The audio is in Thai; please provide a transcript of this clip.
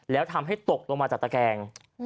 แล้วทำให้ตกลงมาจากตะแกง